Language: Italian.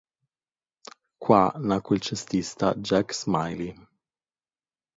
Qua nacque il cestista Jack Smiley.